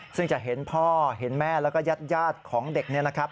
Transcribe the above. ซึ่งจะเห็นพ่อเห็นแม่แล้วก็ญาติของเด็กเนี่ยนะครับ